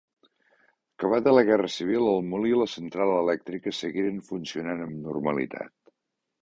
Acabada la Guerra Civil el molí i la central elèctrica seguiren funcionant amb normalitat.